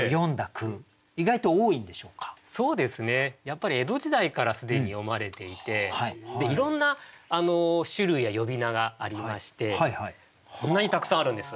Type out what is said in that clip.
やっぱり江戸時代からすでに詠まれていていろんな種類や呼び名がありましてこんなにたくさんあるんです。